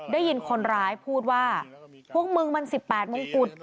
ได้ยินคนร้ายพูดว่าพวกมึงมัน๑๘มงกุฎ